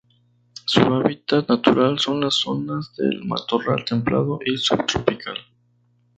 Su hábitat natural son las zonas de matorral templado y subtropical.